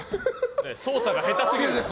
操作が下手すぎる。